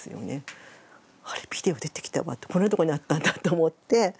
あれビデオ出てきたわこんなとこにあったんだと思って。